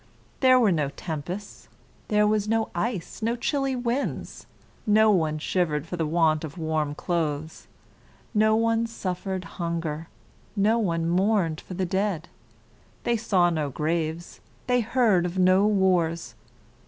There were no tempests there was no ice, no chilly winds no one shivered for the want of warm clothes: no one suffered hunger no one mourned for the dead. They saw no graves. They heard of no wars.